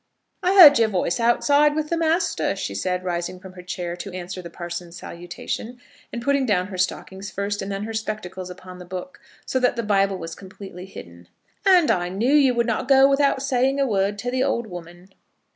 "I heard your voice outside with the master," she said, rising from her chair to answer the parson's salutation, and putting down her stockings first, and then her spectacles upon the book, so that the Bible was completely hidden; "and I knew you would not go without saying a word to the old woman."